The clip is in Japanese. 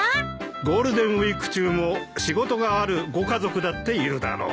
ゴールデンウィーク中も仕事があるご家族だっているだろう。